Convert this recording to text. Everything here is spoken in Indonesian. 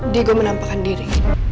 dia gue menampakkan diri